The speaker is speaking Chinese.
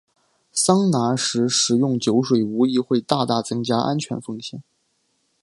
桑拿时食用酒水无疑会大大增加安全风险。